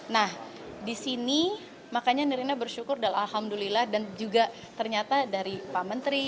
nah di sini makanya nirina bersyukur dan alhamdulillah dan juga ternyata dari pak menteri